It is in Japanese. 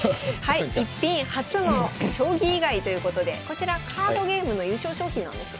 「逸品」初の将棋以外ということでこちらカードゲームの優勝賞品なんですよね。